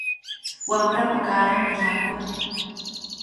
Wamrapa kaaranqa llampumi.